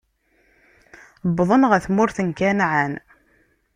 Wwḍen ɣer tmurt n Kanɛan.